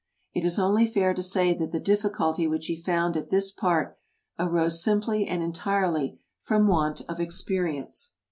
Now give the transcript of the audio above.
It is only fair to say that the difficulty which he found at this part arose simply and entirely from want of experience.